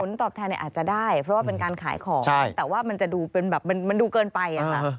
ตอบแทนอาจจะได้เพราะว่าเป็นการขายของแต่ว่ามันจะดูเป็นแบบมันดูเกินไปค่ะ